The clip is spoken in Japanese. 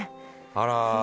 「あら。